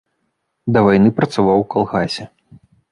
Да вайны працаваў у калгасе.